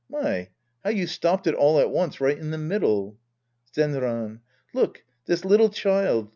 My, how you stopped it all at once right in the middle ! Zenran. Look. This little child.